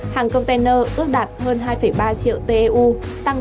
hàng container ước đạt hơn hai ba triệu teu tăng sáu